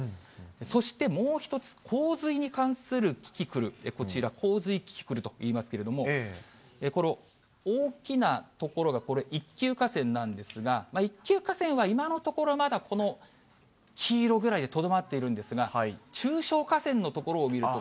そしてもう一つ、洪水に関するキキクル、こちら、洪水キキクルといいますけれども、この大きな所がこれ、一級河川なんですが、一級河川は今のところは、まだこの黄色ぐらいでとどまっているんですが、中小河川の所を見ると。